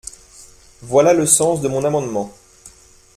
Voilà le sens de mon amendement.